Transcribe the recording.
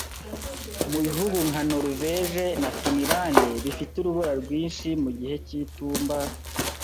Mu bihugu nka Noruveje na Finlande, bifite urubura rwinshi mu gihe cy'itumba